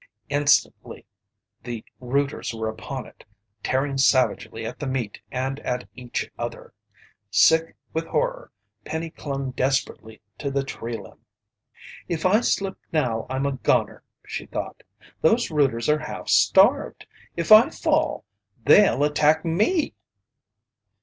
Instantly, the rooters were upon it, tearing savagely at the meat and at each other. Sick with horror, Penny clung desperately to the tree limb. "If I slip now, I'm a gonner!" she thought. "Those rooters are half starved. If I fall, they'll attack me!"